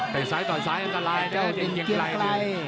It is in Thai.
แต่ซ้ายต่อซ้ายอันตรายนะเด่นเกียงไกร